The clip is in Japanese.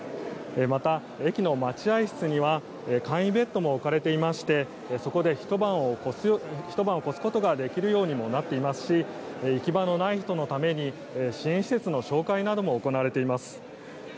また、駅の待合室には簡易ベッドも置かれていましてそこで、ひと晩を超すことができるようにもなっていますし行き場のない人のために支援施設の紹介なども行われています。